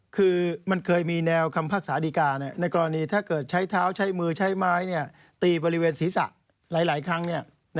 คือมันเคยมีแนวคำพักษาดีการในกรณีถ้าเกิดใช้เท้าใช้มือใช้ไม้ตีบริเวณศีรษะหลายครั้ง